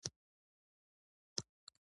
د سمارټ ښارونو پروژې روانې دي.